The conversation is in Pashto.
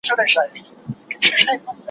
زه له سهاره د سبا لپاره د ليکلو تمرين کوم؟!